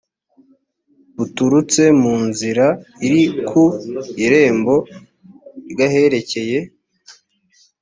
buturutse mu nzira iri ku irembo ry aherekeye